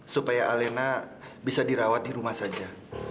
supaya alena bisa dirawat di rumah saja